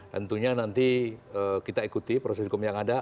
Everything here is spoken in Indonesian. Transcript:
tentunya nanti kita ikuti proses hukum yang ada